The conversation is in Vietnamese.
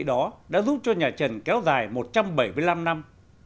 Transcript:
đó đã giúp cho nhà trần kéo dài một trăm bảy mươi năm năm